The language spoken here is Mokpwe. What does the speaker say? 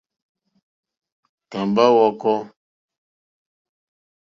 Tàmbá hwɔ̄kɔ̄.